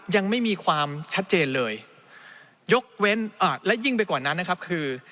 ยังไม่มีความชัดเจนเลยยิ่งไปกว่านั้นนะครับคือ